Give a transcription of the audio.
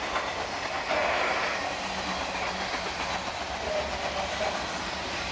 ８月になりました。